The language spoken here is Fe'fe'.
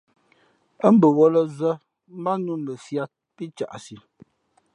Ά bαwᾱlᾱ zᾱ mbát nnǔ mα fiāt pí caʼsi.